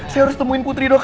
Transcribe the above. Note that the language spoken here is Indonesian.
saya harus temuin putri dok